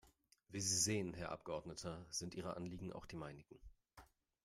Wie Sie sehen, Herr Abgeordneter, sind Ihre Anliegen auch die meinigen.